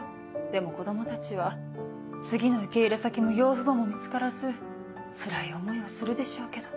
でも子供たちは次の受け入れ先も養父母も見つからずつらい思いをするでしょうけど。